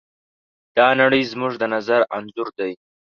دا نړۍ زموږ د نظر انځور دی.